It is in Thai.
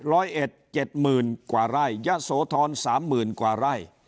ร้อยเอ็ดเจ็ดหมื่นกว่าไร่ยะโสธรสามหมื่นกว่าไร่